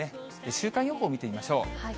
週間予報を見てみましょう。